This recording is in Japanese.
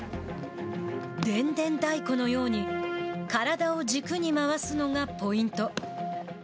でんでん太鼓のように体を軸に回すのがポイント。